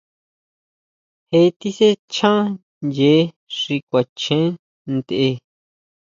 Je tisʼechan ʼyee xi kuachen ntʼe.